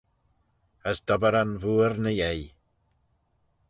As dobberan vooar ny yei.